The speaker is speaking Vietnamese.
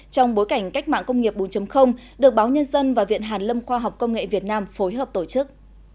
trong bối cảnh cách mạng công nghiệp bốn được báo nhân dân và viện hàn lâm khoa học công nghệ việt nam phối hợp tổ chức